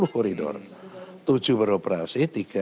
koridor tujuh beroperasi